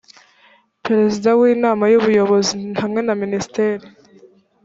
perezida w inama y ubuyobozi hamwe na minisitiri